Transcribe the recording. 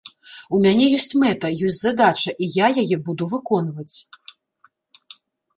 У мяне ёсць мэта, ёсць задача, і я яе буду выконваць.